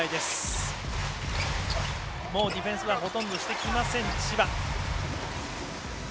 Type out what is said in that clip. もうディフェンスはほとんどしてきません、千葉。